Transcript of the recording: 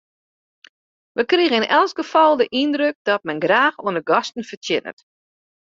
Wy krigen yn elk gefal de yndruk dat men graach oan de gasten fertsjinnet.